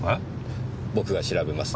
僕が調べます。